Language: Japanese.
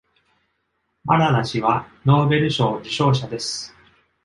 マララ氏はノーベル賞受賞者です。